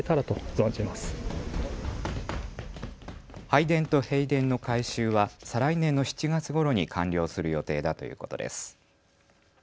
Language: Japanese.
拝殿と幣殿の改修は再来年の７月ごろに完了する予定だということです。